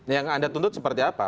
yang anda tuntut seperti apa